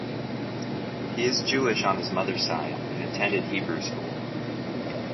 He is Jewish on his mother's side, and attended Hebrew school.